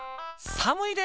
さむいで！